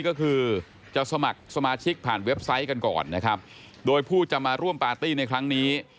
ก็คือจะสมัครสมาชิกผ่านเว็บไซต์กันก่อนนะครับโดยผู้จะมาร่วมปาร์ตี้ในครั้งนี้